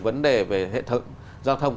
vấn đề về hệ thống giao thông